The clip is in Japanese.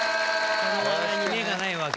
この話題に目がないわけだ。